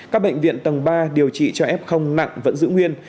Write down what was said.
các bệnh viện tầng ba điều trị cho f nặng vẫn giữ nguyên